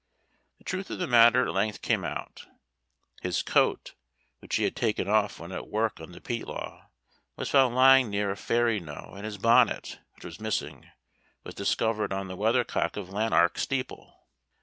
The truth of the matter at length came out; his coat, which he had taken off when at work on the Peatlaw, was found lying near a "fairy knowe," and his bonnet, which was missing, was discovered on the weathercock of Lanark steeple.